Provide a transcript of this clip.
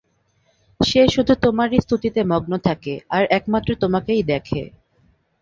সে শুধু তোমারই স্তুতিতে মগ্ন থাকে, আর একমাত্র তোমাকেই দেখে।